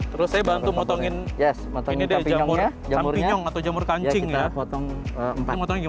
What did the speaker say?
terus saya bantu motongin ini deh campignon atau jamur kancing ya kita potong empat ini